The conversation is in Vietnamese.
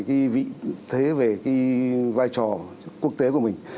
cái vị thế về cái vai trò quốc tế của mình